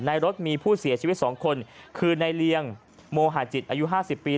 รถมีผู้เสียชีวิต๒คนคือในเลียงโมหาจิตอายุ๕๐ปี